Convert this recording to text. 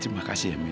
terima kasih ya mita